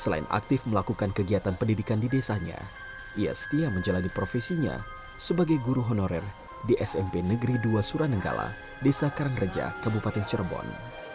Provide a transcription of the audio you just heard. selain aktif melakukan kegiatan pendidikan di desanya ia setia menjalani profesinya sebagai guru honorer di smp negeri dua suranenggala desa karangreja kabupaten cirebon